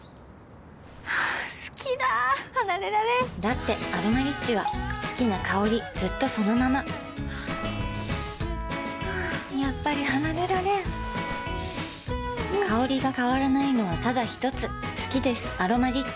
好きだ離れられんだって「アロマリッチ」は好きな香りずっとそのままやっぱり離れられん香りが変わらないのはただひとつ好きです「アロマリッチ」